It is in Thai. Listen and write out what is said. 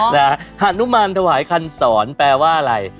ขนุมารถวายคันสรแปลว่าอะไร